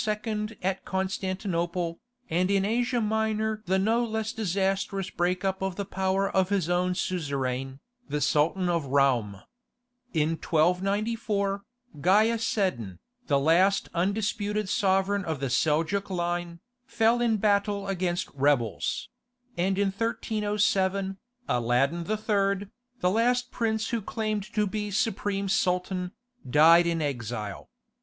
at Constantinople, and in Asia Minor the no less disastrous break up of the power of his own suzerain, the Sultan of Roum. In 1294, Gaiaseddin, the last undisputed sovereign of the Seljouk line, fell in battle against rebels; and in 1307, Alaeddin III., the last prince who claimed to be supreme Sultan, died in exile.